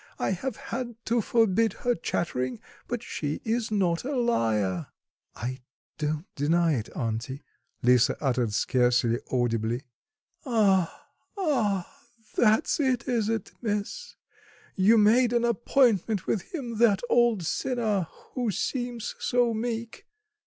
I have had to forbid her chattering, but she is not a liar." "I don't deny it, auntie," Lisa uttered scarcely audibly. "Ah, ah! That's it, is it, miss; you made an appointment with him, that old sinner, who seems so meek?"